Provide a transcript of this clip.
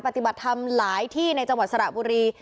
ปฏิบัติธรรมหลายที่ในจังหวัดสระบุรี